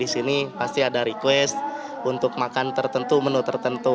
di sini pasti ada request untuk makan tertentu menu tertentu